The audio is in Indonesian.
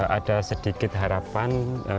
ada sedikit harapan